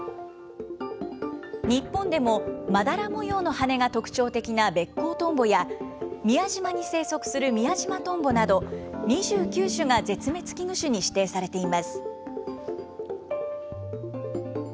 日本でも、まだら模様の羽が特徴的なベッコウトンボや、宮島に生息するミヤジマトンボなど、２９種が絶滅危惧種に指定されています。